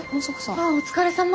ああお疲れさま。